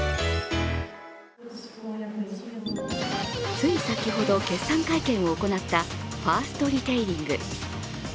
つい先ほど、決算会見を行ったファーストリテイリング。